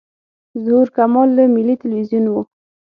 ظهور کمال له ملي تلویزیون و.